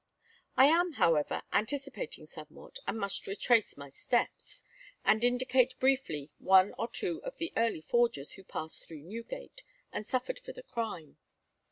I am, however, anticipating somewhat, and must retrace my steps, and indicate briefly one or two of the early forgers who passed through Newgate and suffered for the crime.